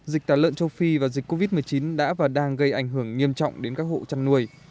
dịch tả lợn châu phi và dịch covid một mươi chín đã và đang gây ảnh hưởng nghiêm trọng đến các hộ chăn nuôi